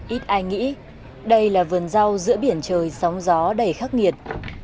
ít ai nghĩ đây là vườn rau giữa biển trời sóng gió đầy khắc nghiệt